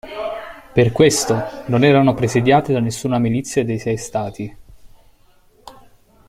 Per questo, non erano presidiate da nessuna milizia dei sei stati.